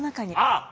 あっ！